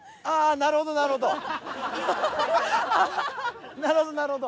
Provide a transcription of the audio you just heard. なるほどなるほど。